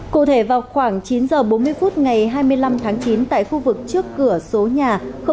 cụ thể vào khoảng chín h bốn mươi phút ngày hai mươi năm tháng chín tại khu vực trước cửa số nhà ba